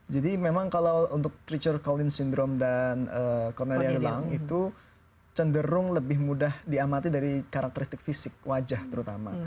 jadi memang kalau untuk treacher collins syndrome dan cornelia de lang itu cenderung lebih mudah diamati dari karakteristik fisik wajah terutama